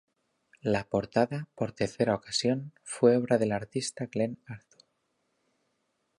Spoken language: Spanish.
La portada, por tercera ocasión, fue obra del artista Glenn Arthur.